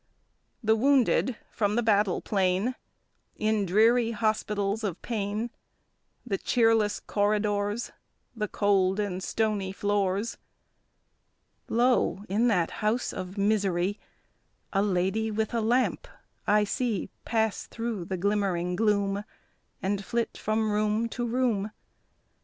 The wounded from the battle plain In dreary hospitals of pain, The cheerless corridors, The cold and stony floors. Lo! in that house of misery A lady with a lamp I see Pass through the glimmering gloom, And flit from room to room.